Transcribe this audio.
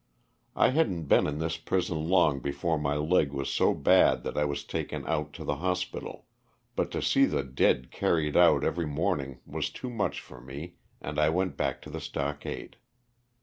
I hadn't been in this prison long before my leg was so bad that I was taken out to the hospital ; but to see the dead carried out every morning was too much for me and I went back to the stockade.